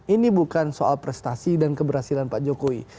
ini bukan soal prestasi dan keberhasilan pak jokowi